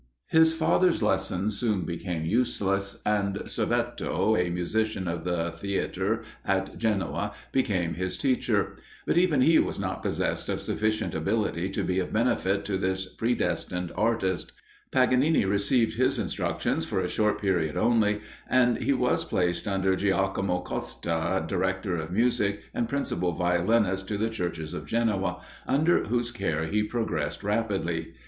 His father's lessons soon became useless, and Servetto, a musician of the theatre, at Genoa, became his teacher; but even he was not possessed of sufficient ability to be of benefit to this predestined artist. Paganini received his instructions for a short period only, and he was placed under Giacomo Costa, director of music, and principal violinist to the churches of Genoa, under whose care he progressed rapidly.